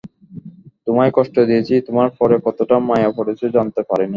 তোমায় কষ্ট দিয়েছি, তোমার পরে কতটা মায়া পড়েছে জানতে পারিনি?